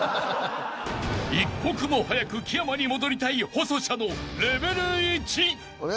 ［一刻も早く木山に戻りたい細シャのレベル１］